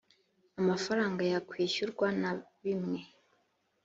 amafaranga yakwishyurwa na bimwe